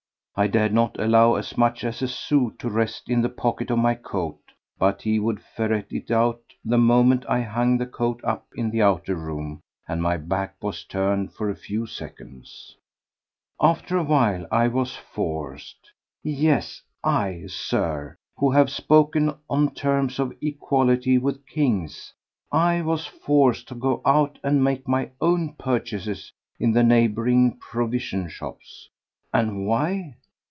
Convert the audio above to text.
I dared not allow as much as a sou to rest in the pocket of my coat but he would ferret it out the moment I hung the coat up in the outer room and my back was turned for a few seconds. After a while I was forced—yes, I, Sir, who have spoken on terms of equality with kings—I was forced to go out and make my own purchases in the neighbouring provision shops. And why?